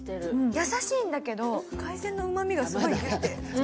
優しいんだけど、海鮮のうまみがすごいあって。